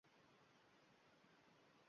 Bir kun shuning zanjiri uzilib ketibdi